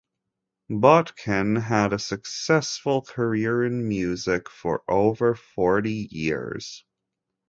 Botkin had a successful career in music for over forty years.